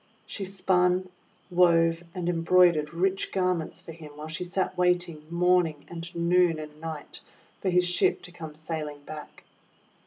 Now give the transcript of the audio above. She spun, wove, and embroidered rich garments for him, while she sat waiting morning and noon and night for his ship to come sailing back.